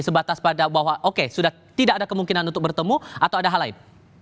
sebatas pada bahwa oke sudah tidak ada kemungkinan untuk bertemu atau ada hal lain